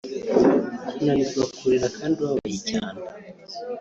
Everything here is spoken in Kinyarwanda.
kunanirwa kurira kandi ubabaye cyane